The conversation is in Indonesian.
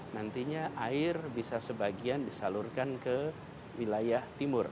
nantinya air bisa sebagian disalurkan ke wilayah timur